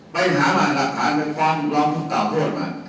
ไปหามาหลักฐานหลักความรองทุกข่าวโทษมา